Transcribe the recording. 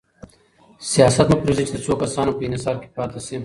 سياست مه پرېږدئ چي د څو کسانو په انحصار کي پاته سي.